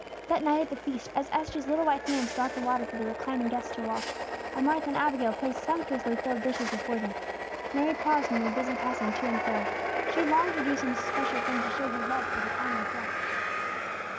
That night at the feast, as Esther's little white hands brought the water for the reclining guests to wash, and Martha and Abigail placed sumptuously filled dishes before them, Mary paused in her busy passing to and fro; she longed to do some especial thing to show her love for the honored guest.